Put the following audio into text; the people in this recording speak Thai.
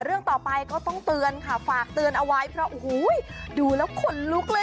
เรื่องต่อไปก็ต้องเตือนค่ะฝากเตือนเอาไว้เพราะโอ้โหดูแล้วขนลุกเลย